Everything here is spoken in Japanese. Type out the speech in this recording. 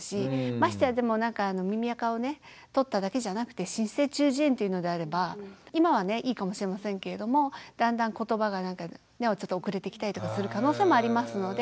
ましてや耳あかをね取っただけじゃなくて滲出性中耳炎というのであれば今はねいいかもしれませんけれどもだんだん言葉が遅れてきたりとかする可能性もありますので。